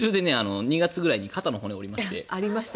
２月ぐらいに肩の骨を折りまして。